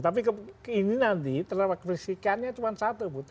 tapi ini nanti terdapat kefiksikannya cuma satu